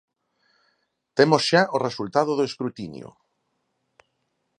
Temos xa o resultado do escrutinio.